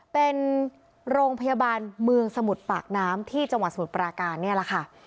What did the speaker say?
เป็นโรงพยาบาลเมืองสมุทรปากน้ำที่จังหวัดสมุทรปราการเนี่ยแหละค่ะ